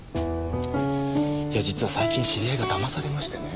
いや実は最近知り合いがだまされましてね。